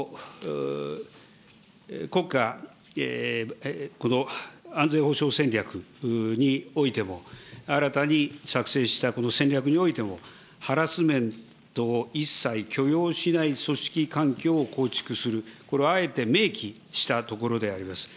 国家、この安全保障戦略においても、新たに作成したこの戦略においても、ハラスメントを一切許容しない組織環境を構築する、これをあえて明記したところでございます。